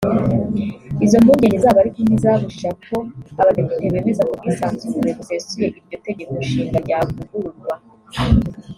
Izo mpungenge zabo ariko nti zabujije ko Abadepite bemeza ku bwisanzure busesuye iryo tegeko nshinga ryavugururwa